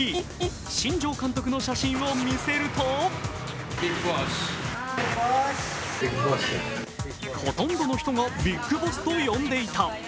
新庄監督の写真を見せるとほとんどの人がビッグボスと呼んでいた。